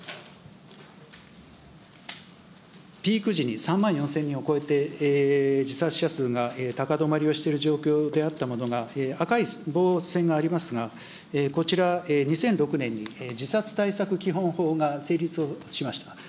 ピーク時に３万４０００人を超えて自殺者数が高止まりをしている状況であったものが、赤い棒線がありますが、こちら、２００６年に自殺対策基本法が成立をしました。